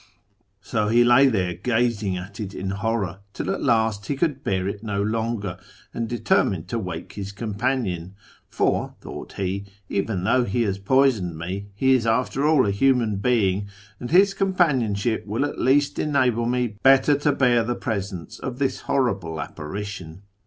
So he lay there gazing at it in horror, till at last he could bear it no longer, and ietermined to wake his companion ;' for,' thought he, ' even Jiougli he has poisoned me, he is after all a human being, md his companionship will at least enable me better to bear he presence of this horrible apparition.'